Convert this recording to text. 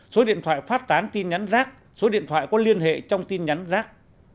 số điện thoại phát tán tin nhắn rác số điện thoại có liên hệ trong tin nhắn rác